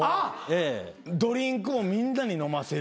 ドリンクもみんなに飲ませる。